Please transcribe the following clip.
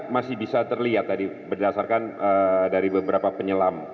masih bisa terlihat tadi berdasarkan dari beberapa penyelam